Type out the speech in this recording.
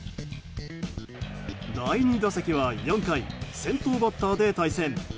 第２打席は４回先頭バッターで対戦。